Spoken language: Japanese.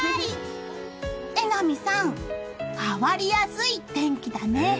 榎並さん、変わりやすい天気だね。